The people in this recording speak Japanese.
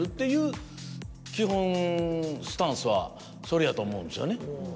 いう基本スタンスはそれやと思うんですよね。